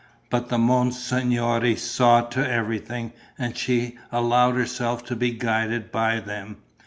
But the monsignori saw to everything and she allowed herself to be guided by them.